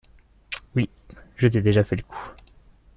Oui: je t’ai déjà fait le coup.